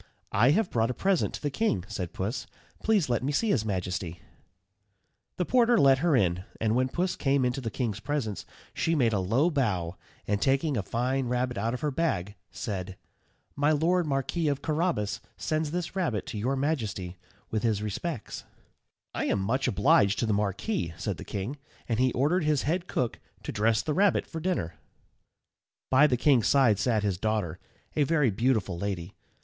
"I have brought a present to the king," said Puss. "Please let me see his majesty." The porter let her in, and when Puss came into the king's presence she made a low bow, and, taking a fine rabbit out of her bag, said, "My Lord Marquis of Carrabas sends this rabbit to your majesty with his respects." [Illustration: PUSS MAKES A PRESENT TO THE KING.] "I am much obliged to the marquis," said the king, and he ordered his head cook to dress the rabbit for dinner. [Illustration: PUSS CALLS ON THE OGRE.] By the king's side sat his daughter, a very beautiful lady.